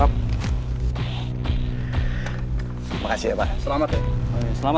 terima kasih pak selamat ya